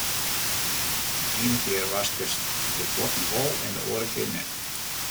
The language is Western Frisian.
De iene kear waskest de fuotten wol en de oare kear net.